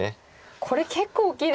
これ結構大きいですね。